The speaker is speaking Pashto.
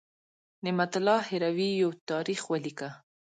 نعمت الله هروي یو تاریخ ولیکه.